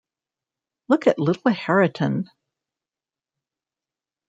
Look at little Hareton!